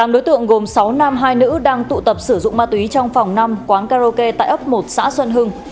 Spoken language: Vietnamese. tám đối tượng gồm sáu nam hai nữ đang tụ tập sử dụng ma túy trong phòng năm quán karaoke tại ấp một xã xuân hưng